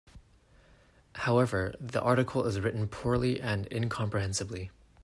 However, the article is written poorly and incomprehensibly.